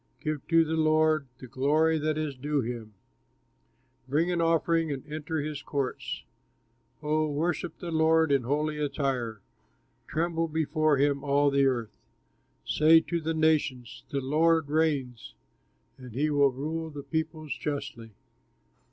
Give to the Lord the glory that is due him; Bring an offering, and enter his courts. Oh, worship the Lord in holy attire, Tremble before him, all the earth. Say to the nations, "The Lord reigns, And he will rule the peoples justly."